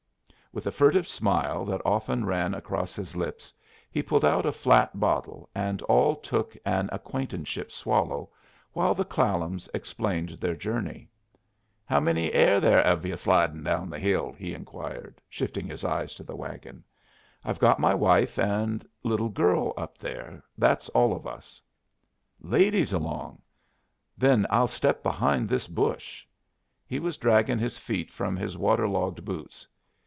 With a furtive smile that often ran across his lips, he pulled out a flat bottle, and all took an acquaintanceship swallow, while the Clallams explained their journey. "How many air there of yu' slidin' down the hill?" he inquired, shifting his eye to the wagon. "I've got my wife and little girl up there. That's all of us." "Ladies along! Then I'll step behind this bush." He was dragging his feet from his waterlogged boots.